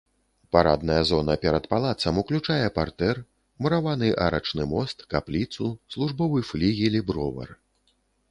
Парадная зона перад палацам уключае партэр, мураваны арачны мост, капліцу, службовы флігель і бровар.